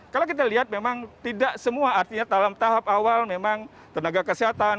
kalau kita lihat memang tidak semua artinya dalam tahap awal memang tenaga kesehatan